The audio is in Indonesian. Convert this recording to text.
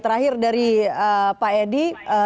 terakhir dari pak edi